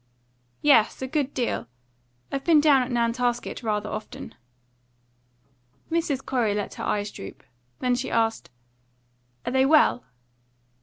"Yes, a good deal. I've been down at Nantasket rather often." Mrs. Corey let her eyes droop. Then she asked: "Are they well?"